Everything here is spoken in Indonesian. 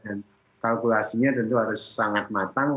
dan kalkulasinya tentu harus sangat matang